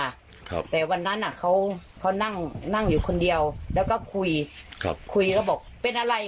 ครับแต่วันนั้นอ่ะเขาเขานั่งนั่งอยู่คนเดียวแล้วก็คุยครับคุยเขาบอกเป็นอะไร